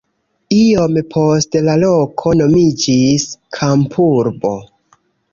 Iom poste la loko nomiĝis kampurbo.